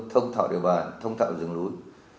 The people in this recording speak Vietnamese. thông thạo địa bàn thông thạo rừng núi